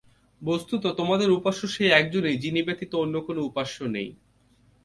বস্তুত তোমাদের উপাস্য সেই একজনই, যিনি ব্যতীত অন্য কোন উপাস্য নেই।